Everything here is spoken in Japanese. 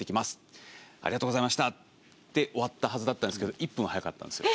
ありがとうございました！」って終わったはずだったんですけど１分早かったんですよ。